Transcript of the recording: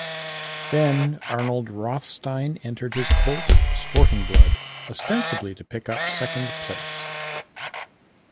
Then Arnold Rothstein entered his colt, Sporting Blood, ostensibly to pick up second place.